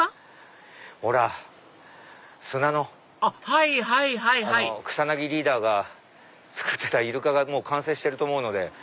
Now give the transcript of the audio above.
はいはいはいはい草薙リーダーが作ってたイルカが完成してると思うので。